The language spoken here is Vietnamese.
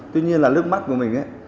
tuy nhiên là nước mắt của mình